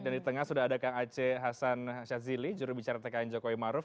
dan di tengah sudah ada kang aceh hasan shadzili jurubicara bpn jokowi maruf